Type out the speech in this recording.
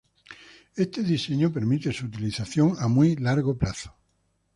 Este diseño permite su utilización a muy largo plazo.